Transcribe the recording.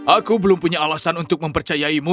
aku belum punya alasan untuk mempercayaimu